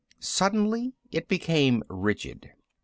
Suddenly it became rigid.